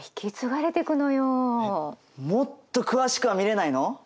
もっと詳しくは見れないの？